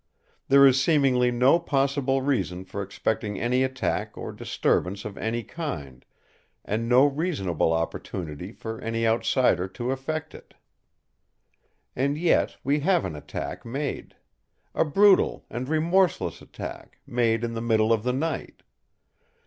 There is seemingly no possible reason for expecting any attack or disturbance of any kind; and no reasonable opportunity for any outsider to effect it. And yet we have an attack made; a brutal and remorseless attack, made in the middle of the night.